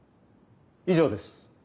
以上です。